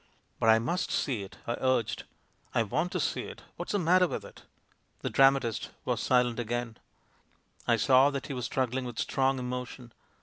"But I must see it," I urged. *'I want to see it. What's the matter with it?" The dramatist was silent again; I saw that he was struggling with strong emotion.